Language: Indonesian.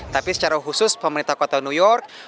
tapi secara khusus pemerintah kota new york